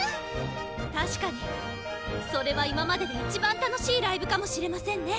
確かにそれは今までで一番楽しいライブかもしれませんね。